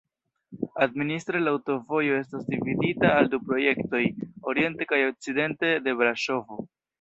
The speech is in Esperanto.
Administre la aŭtovojo estas dividita al du projektoj, oriente kaj okcidente de Braŝovo.